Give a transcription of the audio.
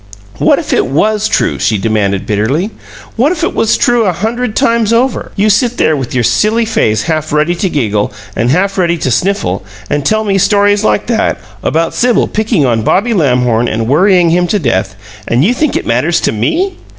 "What if it WAS true?" she demanded, bitterly. "What if it was true a hundred times over? You sit there with your silly face half ready to giggle and half ready to sniffle, and tell me stories like that, about Sibyl picking on Bobby Lamhorn and worrying him to death, and you think it matters to ME?